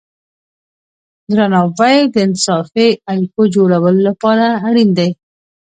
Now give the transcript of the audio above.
درناوی د انصافی اړیکو جوړولو لپاره اړین دی.